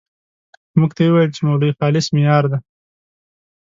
موږ ته یې ويل چې مولوي خالص مې يار دی.